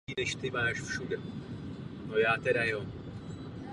Jména provincií se běžně užívají jako zeměpisná označení.